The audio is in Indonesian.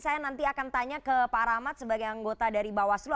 saya nanti akan tanya ke pak rahmat sebagai anggota dari bawaslu